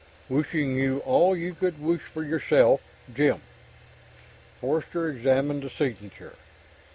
Wishing you all you would wish for yourself, Jim. Forster examined the signature.